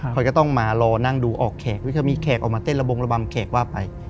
เขาจะต้องมารอนั่งดูออกแขกจะมีแขกออกมาเต้นระบงระบำแขกว่าไป